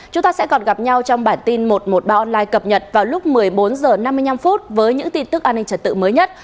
chúng ta sẽ còn gặp nhau trong bản tin một trăm một mươi ba online cập nhật vào lúc một mươi bốn h năm mươi năm với những tin tức an ninh trật tự mới nhất